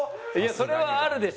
それはあるでしょ。